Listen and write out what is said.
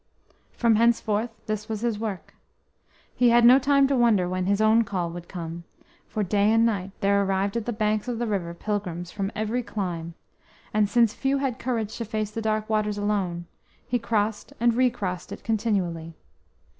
ROM henceforth this was his work. He had no time to wonder when his own call would come, for day and night there arrived at the banks of the river pilgrims from every clime, and, since few had courage to face the dark waters alone, he crossed and recrossed it continually.